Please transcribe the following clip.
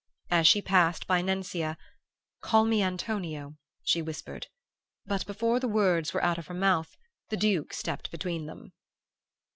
As she passed by Nencia, 'Call me Antonio,' she whispered; but before the words were out of her mouth the Duke stepped between them.